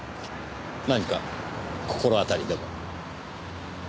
何か心当たりでも。